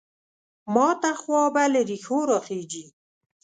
ماته خوا به له رېښو راخېژي.